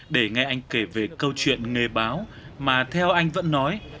để nghe anh kể về câu chuyện nghề báo mà theo anh vẫn nói